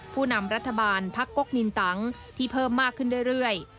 ผู้นำรัฐบาลพักก๊กมินตังที่เพิ่มมากขึ้นเรื่อย